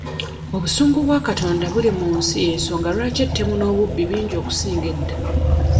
Obusungu bwa Katonda buli mu nsi y'ensonga lwaki ettemu n'obubbi bingi okusinga edda.